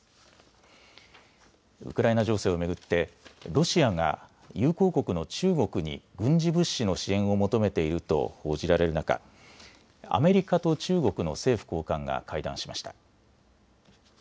ウクライナ情勢を巡ってロシアが友好国の中国に軍事物資の支援を求めていると報じられる中、アメリカと中国の政府高官が会談しました。